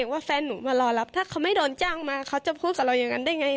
จะรู้ว่าแฟนหนูมารอรับถ้าเขาไม่โดนจ้างก็มาเขาจะพูดกับเรายังไง